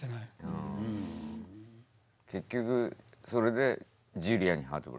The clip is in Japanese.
結局それで「ジュリアに傷心」。